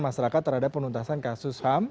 masyarakat terhadap penuntasan kasus ham